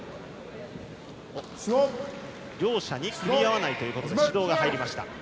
両者に組み合わないということで指導が入りました。